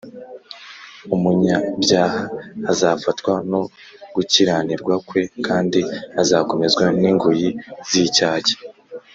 umunyabyaha azafatwa no gukiranirwa kwe, kandi azakomezwa n’ingoyi z’icyaha cye